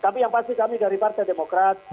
tapi yang pasti kami dari partai demokrat